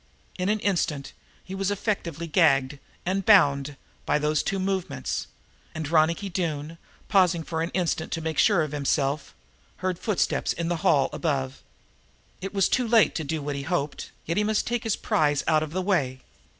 In an instant he was effectively gagged and bound by those two movements, and Ronicky Doone, pausing for an instant to make sure of himself, heard footsteps in the hall above. It was too late to do what he had hoped, yet he must take his prize out of the way.